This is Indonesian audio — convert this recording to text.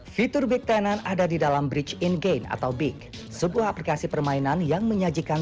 fitur big tenan ada di dalam bridge in game atau big sebuah aplikasi permainan yang menyajikan